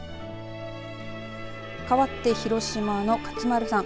かわって広島の勝丸さん